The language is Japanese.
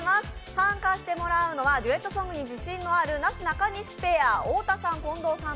参加してもらうのはデュエットソングに自信のあるなすなかにしペア、太田さん・近藤さん